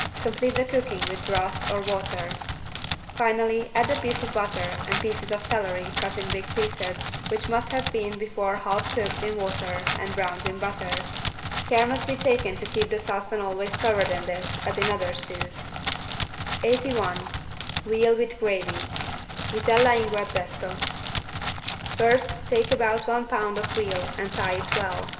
Complete the cooking with broth or water. Finally add a piece of butter and pieces of celery cut in big pieces which must have been before half cooked in water and browned in butter. Care must be taken to keep the saucepan always covered, in this as in other stews. 81 VEAL WITH GRAVY (Vitella in guazzetto) First take about one pound of veal and tie it well.